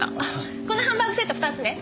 このハンバーグセット２つね。